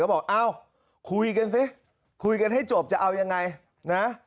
บอกเอ้าคุยกันสิคุยกันให้จบจะเอายังไงนะ